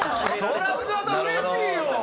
そりゃ藤原さんうれしいよ！